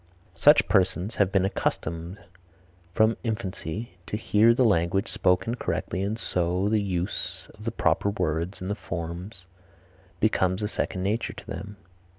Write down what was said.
Such persons have been accustomed from infancy to hear the language spoken correctly and so the use of the proper words and forms becomes a second nature to them.